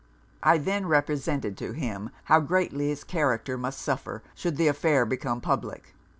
I then represented to him how greatly his character must suffer should the affair become public.